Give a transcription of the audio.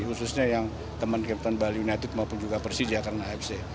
khususnya yang teman captain bali united maupun juga persija karena afc